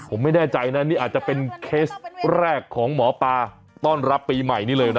ผมไม่แน่ใจนะนี่อาจจะเป็นเคสแรกของหมอปลาต้อนรับปีใหม่นี้เลยนะ